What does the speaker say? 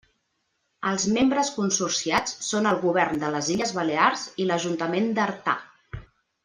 Els membres consorciats són el Govern de les Illes Balears i l'Ajuntament d'Artà.